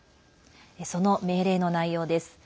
その命令の内容です。